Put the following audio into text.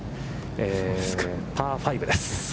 パー５です。